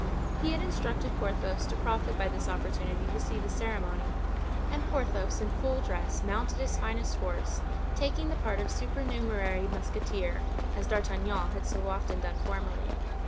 He had instructed Porthos to profit by this opportunity to see the ceremony; and Porthos, in full dress, mounted his finest horse, taking the part of supernumerary musketeer, as D'Artagnan had so often done formerly.